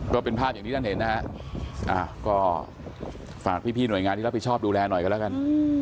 ก็เป็นภาพอย่างที่ท่านเห็นนะฮะก็ฝากพี่หน่วยงานที่รับผิดชอบดูแลหน่อยกันแล้วกัน